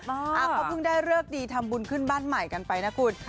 เขาเพิ่งได้เลิกดีทำบุญขึ้นบ้านใหม่กันไปนะคุณ